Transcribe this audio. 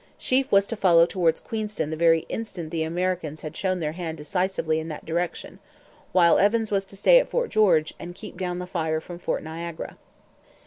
Sheaffe was to follow towards Queenston the very instant the Americans had shown their hand decisively in that direction; while Evans was to stay at Fort George and keep down the fire from Fort Niagara.